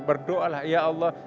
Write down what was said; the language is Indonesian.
berdoa lah ya allah